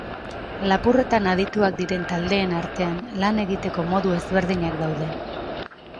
Lapurretan adituak diren taldeen artean, lan egiteko modu ezberdinak daude.